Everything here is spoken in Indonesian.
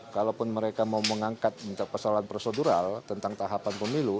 kalaupun mereka mau mengangkat persoalan prosedural tentang tahapan pemilu